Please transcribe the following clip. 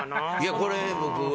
これ僕は。